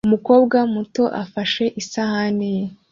umukobwa muto afashe isahani ye